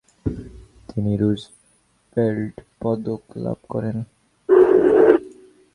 তিনি রুজভেল্ট পদক লাভ করেন।